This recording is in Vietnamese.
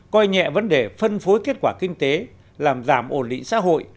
coi nhẹ vấn đề phân phối kết quả kinh tế làm giảm ổn định xã hội